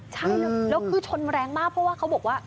ใช่แล้วคือชนแรงมากเพราะว่าเขาบอกว่า